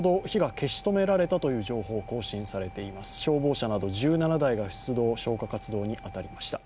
消防車など１７台が出動、消火活動に当たりました。